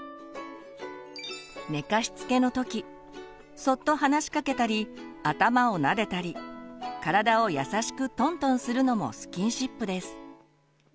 寝かしつけの時そっと話しかけたり頭をなでたり体を優しくトントンするのもスキンシップです。